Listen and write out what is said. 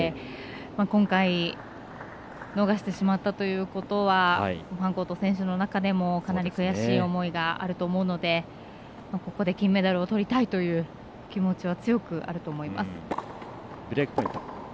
今回逃してしまったということはファンコート選手の中でもかなり悔しい思いがあると思うので、ここで金メダルをとりたいという気持ちは強くあると思います。